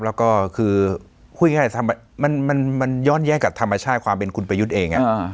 แล้วก็คือพูดง่ายมันย้อนแย้งกับธรรมชาติความเป็นคุณประยุทธ์เอง